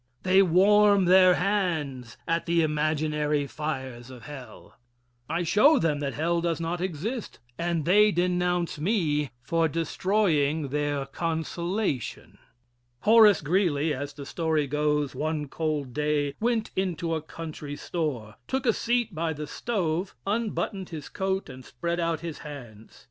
They warm their hands at the imaginary fires of hell. I show them that hell does not exist and they denounce me for destroying their consolation. Horace Greeley, as the story goes, one cold day went into a country store, took a seat by the stove, unbuttoned his coat and spread out his hands.